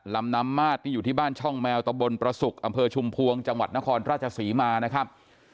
ลำน้ำมาดที่อยู่ที่บ้านช่องแมวตะบนประสุกอำเภอชุมพวงจังหวัดนครราชศรีมานะครับ